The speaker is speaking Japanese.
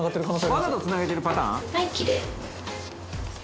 「わざとつなげてるパターン？」